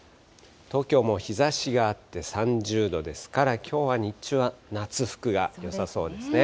東京も日ざしがあって３０度ですから、きょうは日中は夏服がよさそうですね。